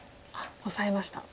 オサえました。